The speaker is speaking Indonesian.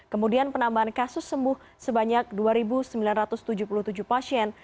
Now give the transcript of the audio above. kemudian penambahan kasus sembuh sebanyak dua sembilan ratus tujuh puluh tujuh pasien